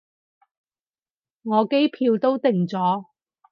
我機票都訂咗